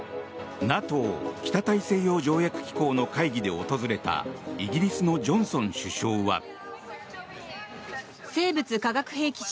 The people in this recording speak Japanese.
ＮＡＴＯ・北大西洋条約機構の会議で訪れたイギリスのジョンソン首相は。